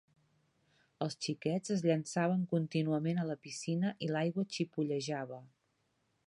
Els xiquets es llençaven contínuament a la piscina i l'aigua xipollejava.